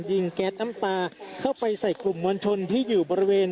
แก๊สน้ำตาเข้าไปใส่กลุ่มมวลชนที่อยู่บริเวณ